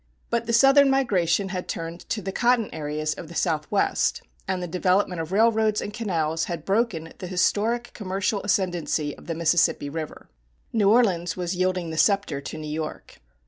But the Southern migration had turned to the cotton areas of the Southwest, and the development of railroads and canals had broken the historic commercial ascendancy of the Mississippi River; New Orleans was yielding the scepter to New York.